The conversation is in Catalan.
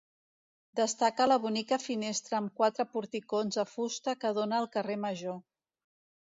Destaca la bonica finestra amb quatre porticons de fusta que dóna al carrer Major.